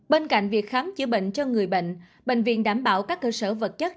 bên cạnh việc khám chữa bệnh cho người bệnh bệnh viện đảm bảo các cơ sở vật chất